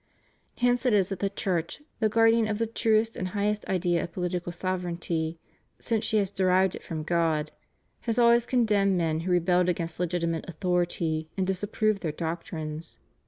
Hence it is that the Church, the guardian of the truest and highest idea of political sovereignty, since she has derived it from God, has always condemned men who rebelled against legitimate authority and disapproved their doctrines.